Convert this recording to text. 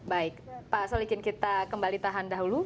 baik pak solikin kita kembali tahan dahulu